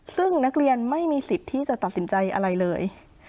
ซึ่งนักเรียนไม่มีสิทธิ์ที่จะตัดสินใจอะไรเลย